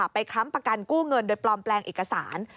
ค้ำประกันกู้เงินโดยปลอมแปลงเอกสาร